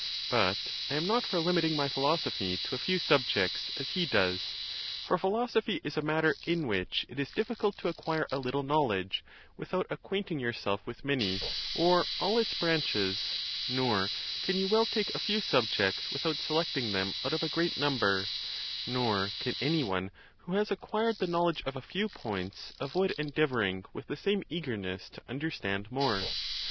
But I am not for limiting my philosophy to a few subjects, as he does; for philosophy is a matter in which it is diffi cult to acquire a little knowledge without acquainting yourself with many, or all its branches, nor can you well take a few subjects without selecting them out of a great number; nor can any one, who has acquired the knowl edge of a few points, avoid endeavoring with the same eagerness to understand more.